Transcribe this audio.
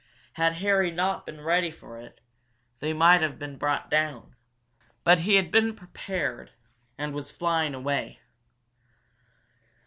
Had Harry not been ready for it, they might have been brought down. But he had been prepared, and was flying away.